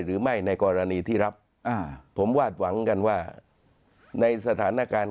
ในกรณีที่รับผมวาดหวังกันว่าในสถานการณ์